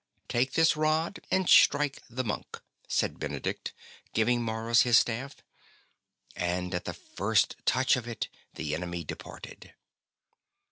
" Take this rod and strike the monk/' said Benedict, giving Maurus his staff, and at the first touch of it the enem}^ departed.